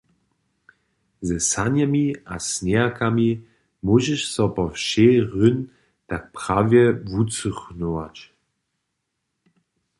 Ze sanjemi a sněhakami móžeš so po wšej Rhön tak prawje wucychnować.